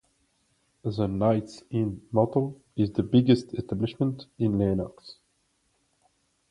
The Knights Inn motel is the biggest establishment in Lenox.